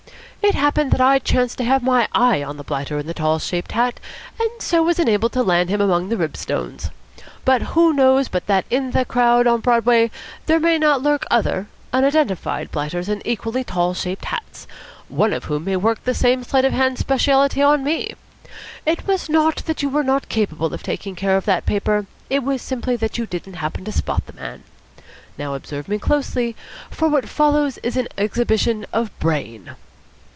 It happened that I chanced to have my eye on the blighter in the tall shaped hat, and so was enabled to land him among the ribstones; but who knows but that in the crowd on Broadway there may not lurk other, unidentified blighters in equally tall shaped hats, one of whom may work the same sleight of hand speciality on me? It was not that you were not capable of taking care of that paper: it was simply that you didn't happen to spot the man. Now observe me closely, for what follows is an exhibition of Brain."